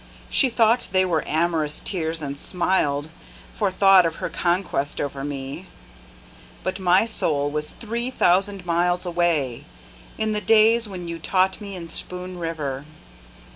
She though they were amorous tears and smiled For thought of her conquest over me. But my soul was three thousand miles away, In the days when you taught me in Spoon River.